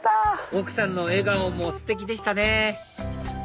奥さんの笑顔もステキでしたね